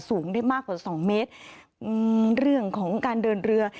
สูงได้มากกว่าสองเมตรอืมเรื่องของการเดินเรือ